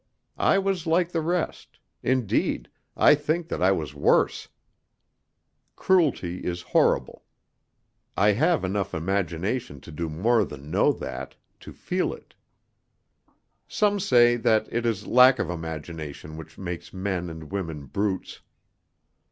I was like the rest; indeed, I think that I was worse. Cruelty is horrible. I have enough imagination to do more than know that to feel it. Some say that it is lack of imagination which makes men and women brutes.